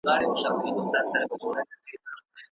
په لاس لیکلنه د ښوونځي د بنسټیزو مهارتونو څخه دی.